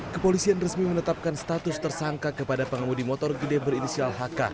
kepolisian resmi menetapkan status tersangka kepada pengemudi motor gede berinisial hk